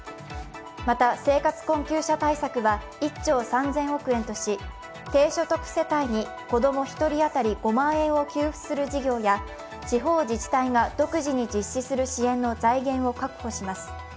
また生活困窮者対策は１兆３０００億円とし低所得世帯に子供１人当たり５万円を給付する事業や地方自治体が独自に実施する支援の財源を確保します。